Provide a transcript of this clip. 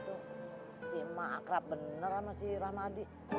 tuh si mak akrab benar sama si rahmadi